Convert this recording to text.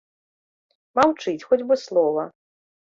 Маўчыць, хоць бы слова.